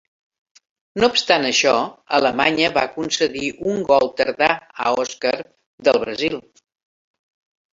No obstant això, Alemanya va concedir un gol tardà a Oscar, del Brasil.